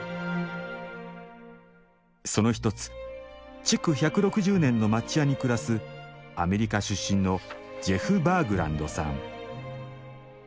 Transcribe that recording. その一つ築１６０年の町家に暮らすアメリカ出身のジェフ・バーグランドさん。